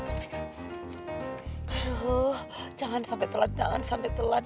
aduh jangan sampai telat jangan sampai telat